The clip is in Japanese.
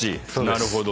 なるほど。